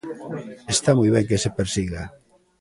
Está moi ben que se persiga.